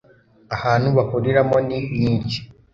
ahantu bahuriramo ni myinshi